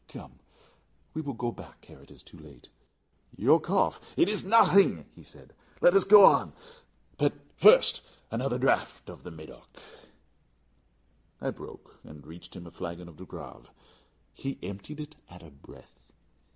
Come, we will go back ere it is too late. Your cough " "It is nothing," he said; "let us go on. But first, another draught of the Medoc." I broke and reached him a flagon of De Grave. He emptied it at a breath.